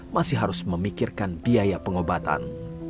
masih harus memikirkan biaya pengobatan